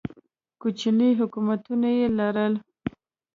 کوچني حکومتونه یې لرل